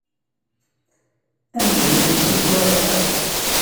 Ad jemɛent taswiɛt-a.